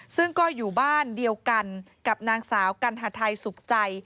ซึ่งก็อยู่บ้านเดียวกันกับนางสาวกัณฑไทยสุขใจ